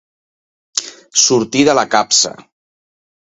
Sortir de la capsa.